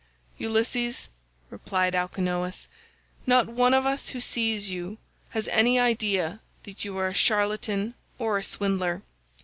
"Ulysses," replied Alcinous, "not one of us who sees you has any idea that you are a charlatan or a swindler.